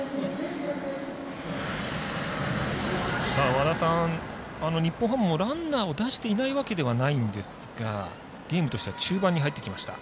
和田さん、日本ハムもランナーを出していないわけではないんですがゲームとしては中盤に入ってきました。